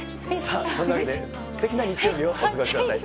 そんなわけで、すてきな日曜日をお過ごしください。